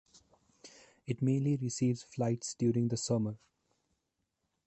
It mainly receives flights during the summer.